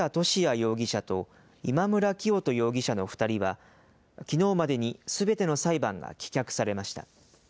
容疑者と、今村磨人容疑者の２人は、きのうまでにすべての裁判が棄却されました。